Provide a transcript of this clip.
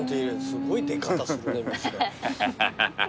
すごい出方するね水が。